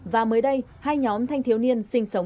và mới đây hai nhóm thanh thiếu niên sinh sống trên đường